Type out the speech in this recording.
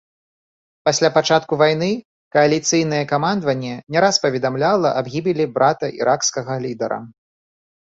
Пасля пачатку вайны кааліцыйнае камандаванне не раз паведамляла аб гібелі брата іракскага лідара.